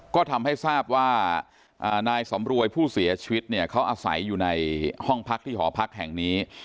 ก็ทำให้ทราบว่านายสำรวยผู้เสียชีวิตเนี่ยเขาอาศัยอยู่ในห้องพักที่หอพักแห่งนี้